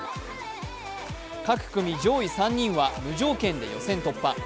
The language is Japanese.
各組上位３人は無条件で予選突破。